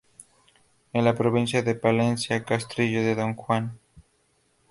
En la Provincia de Palencia: Castrillo de Don Juan.